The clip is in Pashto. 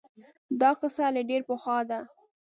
دا قصه له ډېر پخوا ده